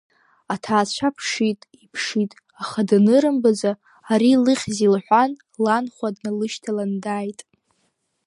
Аҭаацәа ԥшит, иԥшит, аха данырымбаӡа, ари илыхьзеи лҳәан ланхәа длышьҭалан дааит.